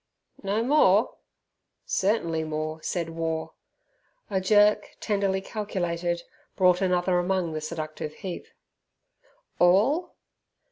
"No more?" Certainly more, said War. A jerk, tenderly calculated, brought another among the seductive heap. "All?"